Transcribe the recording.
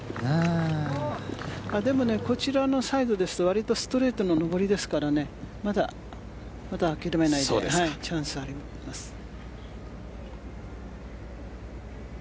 でもこちらのサイドですと割とストレートの上りですからまだ諦めないでチャンスはあります。